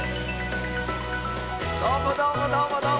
どうもどうもどうもどうも。